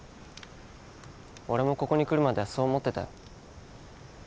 俺もここに来るまではそう思ってたよ